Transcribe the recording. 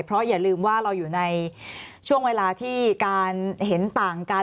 เพราะอย่าลืมว่าเราอยู่ในช่วงเวลาที่การเห็นต่างกัน